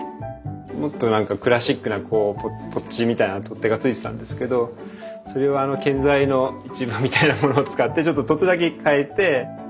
もっとなんかクラシックなこうポッチみたいな取っ手がついてたんですけどそれは建材の一部みたいなものを使ってちょっと取っ手だけ替えて。